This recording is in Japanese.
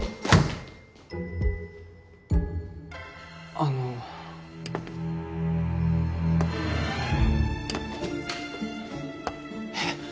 あの。えっ？